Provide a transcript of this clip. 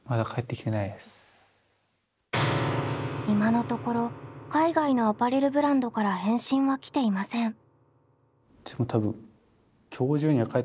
今のところ海外のアパレルブランドから返信は来ていません。